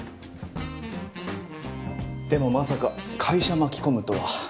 でもまさか会社巻き込むとは。